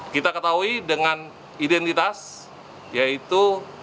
kita ketahui dengan identitas yaitu